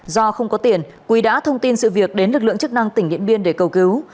do không có tiền quý đã thông tin sự việc đến lực lượng chức năng tỉnh điện biên để cầu cứu